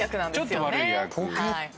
ちょっと悪い役。